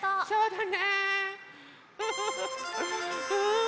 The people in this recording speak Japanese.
そうだね。